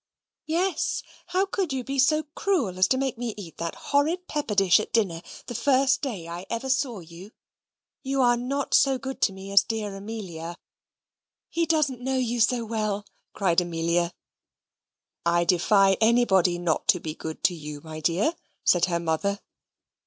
"Yes; how could you be so cruel as to make me eat that horrid pepper dish at dinner, the first day I ever saw you? You are not so good to me as dear Amelia." "He doesn't know you so well," cried Amelia. "I defy anybody not to be good to you, my dear," said her mother.